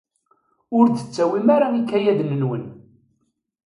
Ur d-tettawim ara ikayaden-nwen.